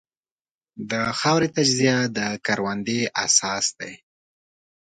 د خاورې تجزیه د کروندې اساس دی.